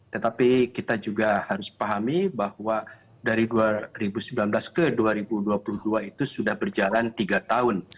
tetapi kita juga harus pahami bahwa dari dua ribu sembilan belas ke dua ribu dua puluh dua itu sudah berjalan tiga tahun